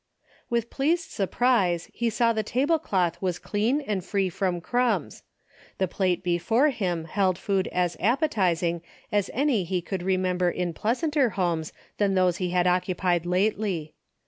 "With pleased surprise he saw the table cloth was clean and free from crumbs. The plate before him held food as appetizing as any he could remember in pleasanter homes than those he had occupied lately.